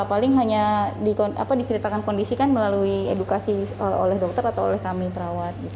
paling hanya diceritakan kondisi kan melalui edukasi oleh dokter atau oleh kami perawat